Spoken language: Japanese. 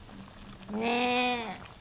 ねえ！